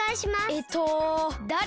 えっとだれ？